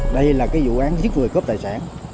đây là cái vụ án giết người cướp tài sản